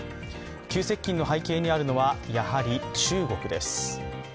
急接近の背景にあるのはやはり中国です。